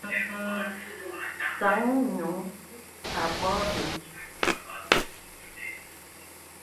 Sàŋ nyùŋ a bɔ̀ɔ̀ bə̀i.